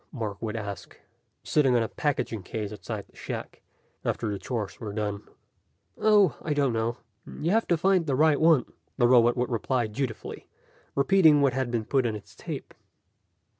Mark would ask, sitting on a packing case outside the shack, after the chores were done. "Oh, I don't know. You have to find the right one." The robot would reply dutifully, repeating what had been put on its tape.